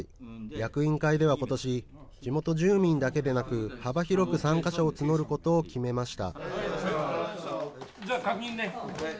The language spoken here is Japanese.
役員会ではことし、地元住民だけでなく、幅広く参加者を募ることを決めました。